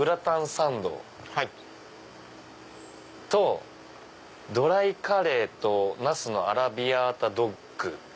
サンドとドライカレーと茄子のアラビアータドッグ。